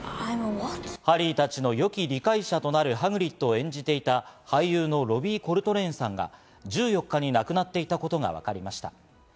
ハリーたちの良き理解者となるハグリッドを演じていた俳優のロビー・コルトレーンさんが１４日に亡くなっていたことが分かりました。